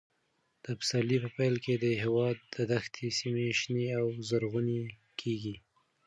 د پسرلي په پیل کې د هېواد دښتي سیمې شنې او زرغونې کېږي.